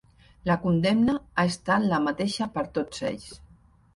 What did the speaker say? La condemna ha estat la mateixa per tots ells.